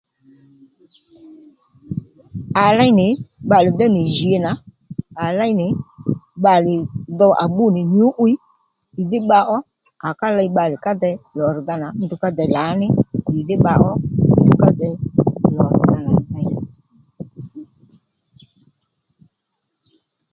À léy nì bbalè déy nì jǐ nà à léy nì bbalè dho à pbú nì nyǔ'wiy ì dhí bba ó à ká ley bbalè ká dey lò rr̀dha nà ndrǔ ká dey lǎní ì dhí bba ó ndrǔ ká dey lò rr̀dha nà ney